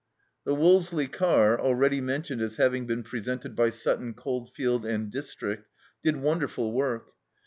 The Wolseley car, already mentioned as having been presented by Sutton Coldfield and district, did wonderful work.